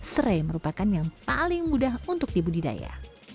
serai merupakan yang paling mudah untuk dibudidaya